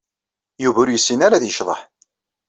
Yuba ur yessin ara ad yecḍeḥ.